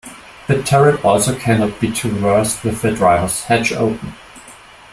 The turret also cannot be traversed with the driver's hatch open.